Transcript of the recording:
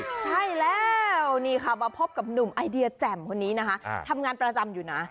ใช่แล้วนี่ค่ะมาพบกับหนุ่มไอเดียแจ่มคนนี้นะคะทำงานประจำอยู่นะ